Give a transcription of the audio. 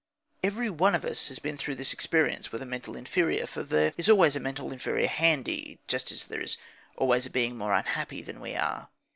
Every one of us has been through this experience with a mental inferior, for there is always a mental inferior handy, just as there is always a being more unhappy than we are.